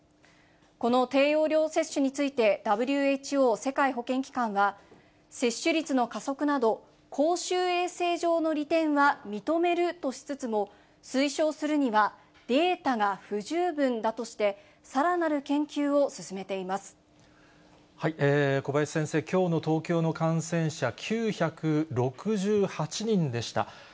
この低用量接種についてＷＨＯ・世界保健機関は、接種率の加速など、公衆衛生上の利点は認めるとしつつも、推奨するにはデータが不十分だとして、小林先生、きょうの東京の感染者、９６８人でした。